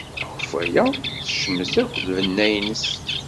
Akeffay-a tecmet akk lbenna-nnes.